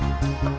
liat dong liat